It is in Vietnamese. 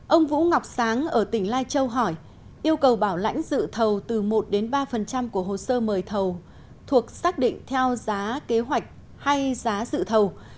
ông vũ ngọc sáng ở tỉnh lai châu hỏi yêu cầu bảo lãnh dự thầu từ một ba của hồ sơ mời thầu thuộc xác định theo giá kế hoạch hay giá dự thầu